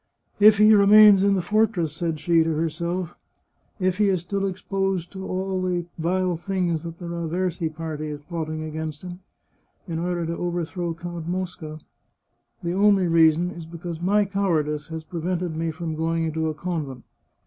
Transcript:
" If he remains in the fortress," said she to herself, " if he is still exposed to all the vile things that the Raversi party is plotting against him, in order to overthrow Count Mosca, the only reason is because my cowardice has pre vented me from going into a convent.